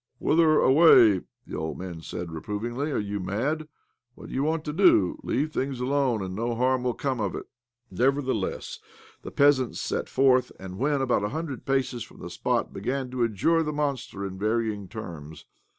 "Whither away?" the old men said reprovingly. "Are you mad? What do you want to do? Leave things alone, and no harm will come of it !" 86 OBLOMOV Nevertheless the peasants set forth, and, when about a hundred paces from the spot, began to adjure the monster in varying terms.